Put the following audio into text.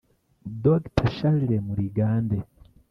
Dr Charles Muligande